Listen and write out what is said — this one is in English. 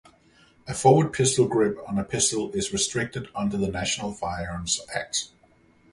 A forward pistol grip on a pistol is restricted under the National Firearms Act.